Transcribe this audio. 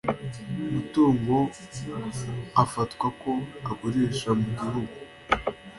mutungo afatwa ko agarukira mu gihugu